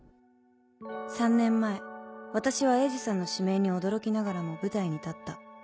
３年前私は鋭治さんの指名に驚きながらも舞台に立った。